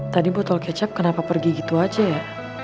tadi botol kecap kenapa pergi gitu aja ya